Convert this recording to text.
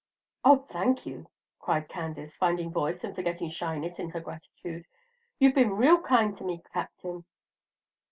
"Oh, thank you," cried Candace, finding voice and forgetting shyness in her gratitude; "you've been real kind to me, Captain."